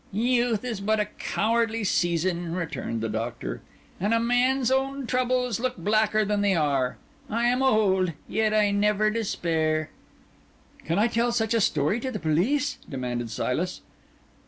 "Youth is but a cowardly season," returned the Doctor; "and a man's own troubles look blacker than they are. I am old, and yet I never despair." "Can I tell such a story to the police?" demanded Silas.